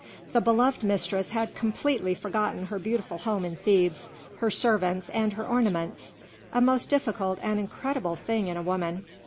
The beloved mistress had completely forgotten her beautiful home in Thebes, her servants, and her ornaments, a most difficult and incredible thing in a woman.